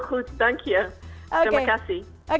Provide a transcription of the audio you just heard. hai apa kabar